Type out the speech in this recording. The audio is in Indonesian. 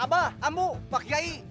abah ambu pak yai